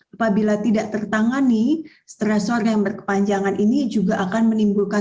apabila tidak tertangani stresor yang berkepanjangan ini juga akan menimbulkan